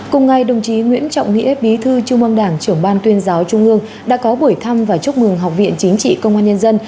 cùng ngày đồng chí nguyễn trọng nghĩa bí thư trung mong đảng trưởng ban tuyên giáo trung ương đã có buổi thăm và chúc mừng học viện chính trị công an nhân dân